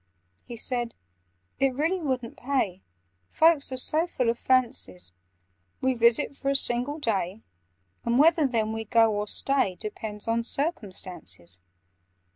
He said "It really wouldn't pay— Folk are so full of fancies. We visit for a single day, And whether then we go, or stay, Depends on circumstances.